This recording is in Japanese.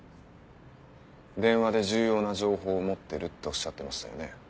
電話で「重要な情報を持ってる」っておっしゃってましたよね？